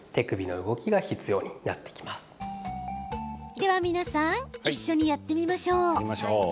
では、皆さん一緒にやってみましょう。